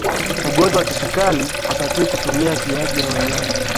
mgonjwa wa kisukali hatakiwi kutumia siagi ya wanyama